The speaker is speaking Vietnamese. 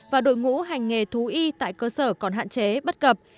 và đội ngũ hành nghề thú y tại cơ sở còn hạn chế bất cập